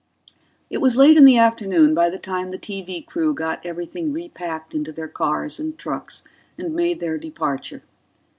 It was late in the afternoon by the time the TV crew got everything repacked into their cars and trucks and made their departure.